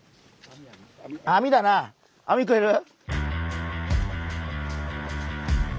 あみだなあみくれる？